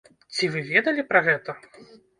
Ці вы ведалі пра гэта?